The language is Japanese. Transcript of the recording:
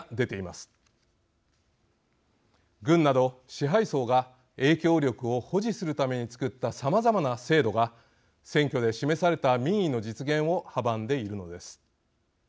軍など支配層が影響力を保持するためにつくったさまざまな制度が選挙で示された民意の実現を阻んでいるのです。